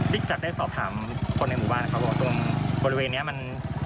ริกจัดได้สอบถามคนในหมู่บ้านครับว่าตรงบริเวณเนี้ยมัน